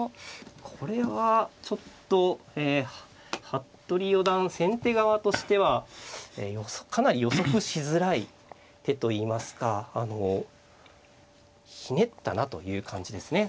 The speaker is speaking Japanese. これはちょっと服部四段先手側としてはかなり予測しづらい手といいますかあのひねったなという感じですね。